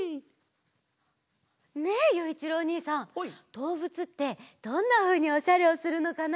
どうぶつってどんなふうにおしゃれをするのかな？